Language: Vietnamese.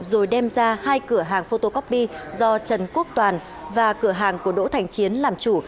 rồi đem ra hai cửa hàng photocopy do trần quốc toàn và cửa hàng của đỗ thành chiến làm chủ